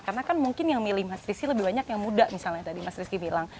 karena kan mungkin yang milih mas rizky lebih banyak yang muda misalnya tadi mas rizky bilang